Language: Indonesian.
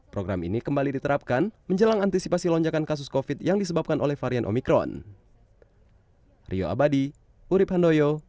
program ini kembali diterapkan menjelang antisipasi lonjakan kasus covid yang disebabkan oleh varian omikron